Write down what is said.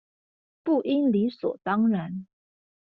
不應理所當然